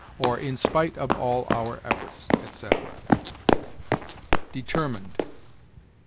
or "In spite of all our efforts," etc. DETERMINED.